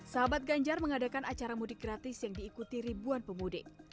sahabat ganjar mengadakan acara mudik gratis yang diikuti ribuan pemudik